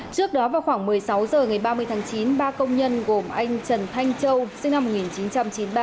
trước đó vào khoảng một mươi sáu h ngày ba mươi tháng chín ba công nhân gồm anh trần thanh châu sinh năm một nghìn chín trăm chín mươi ba